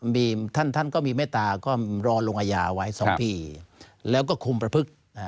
มีมร้ายท่านก็มีเมคตาก็รอลงอาญาไว้สองปีแล้วก็คุมประภึก